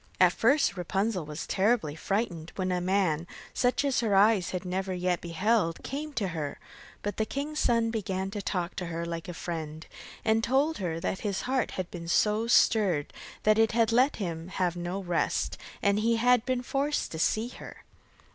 At first Rapunzel was terribly frightened when a man, such as her eyes had never yet beheld, came to her; but the king's son began to talk to her quite like a friend, and told her that his heart had been so stirred that it had let him have no rest, and he had been forced to see her.